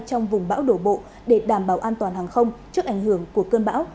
trong vùng bão đổ bộ để đảm bảo an toàn hàng không trước ảnh hưởng của cơn bão